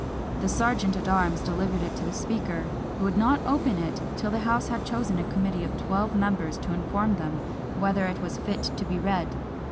The Serjeant at Arms delivered it to the Speaker, who would not open it till the house had chosen a committee of twelve members to inform them whether it was fit to be read.